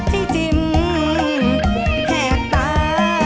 ที่จิ้มแหกตา